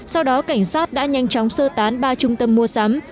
sau đó cảnh sát đã nhanh chóng sơ tán ba trung tâm mua sắm